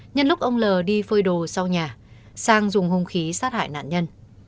nhân lúc ông l đi phơi đồ sau nhà sang dùng hung khí sát hại nạn nhân